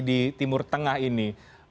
di timur tengah ini